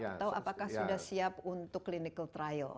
atau apakah sudah siap untuk clinical trial